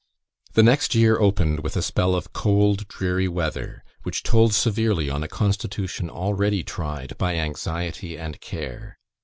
The next year opened with a spell of cold dreary weather, which told severely on a constitution already tried by anxiety and care.